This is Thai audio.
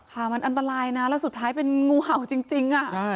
ค่ะมันอันตรายนะแล้วสุดท้ายเป็นงูเห่าจริง